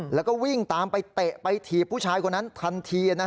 แล้วก็วิ่งตามไปเตะไปถีบผู้ชายคนนั้นทันที